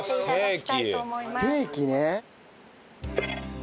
ステーキね。